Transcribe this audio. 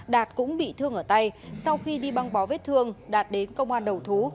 đạt cũng bị thương ở tay sau khi đi băng bó vết thương đạt đến công an đầu thú